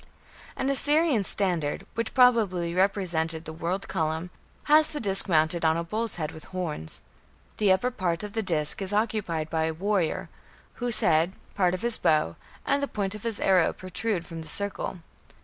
An Assyrian standard, which probably represented the "world column", has the disc mounted on a bull's head with horns. The upper part of the disc is occupied by a warrior, whose head, part of his bow, and the point of his arrow protrude from the circle.